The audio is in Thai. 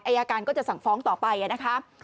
อายการก็จะสั่งฟ้องต่อไปนะคะ